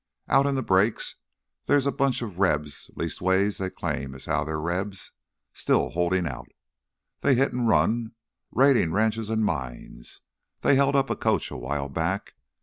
Out in th' breaks there's a bunch of Rebs leastways they claim as how they's Rebs—still holdin' out. They hit an' run, raidin' ranches an' mines; they held up a coach a while back.